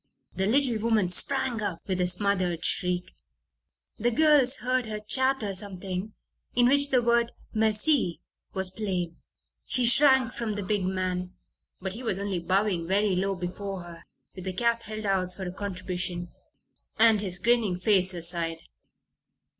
The little woman sprang up with a smothered shriek. The girls heard her chatter something, in which the word "merci" was plain. She shrank from the big man; but he was only bowing very low before her, with the cap held out for a contribution, and his grinning face aside.